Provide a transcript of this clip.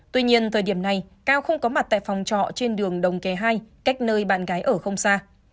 tuy nhiên thời điểm này cao không có mặt tại phòng trọ trên đường đồng kề hai cách nơi bạn gái ở không xa